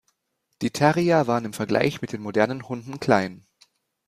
Die Terrier waren im Vergleich mit den modernen Hunden klein.